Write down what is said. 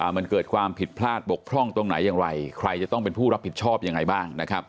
มันเกิดความผิดพลาดบกพร่องตรงไหนอย่างไรใครจะต้องเป็นผู้รับผิดชอบยังไงบ้างนะครับ